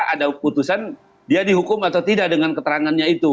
ada putusan dia dihukum atau tidak dengan keterangannya itu